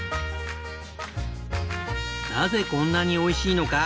なぜこんなにおいしいのか？